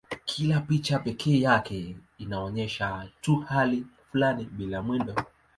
Kila picha pekee yake inaonyesha tu hali fulani bila mwendo.